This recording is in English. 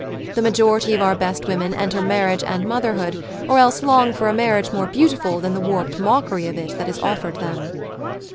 The majority of our best women enter marriage and motherhood, or else long for a marriage more beautiful than the warped mockery of it that is offered them.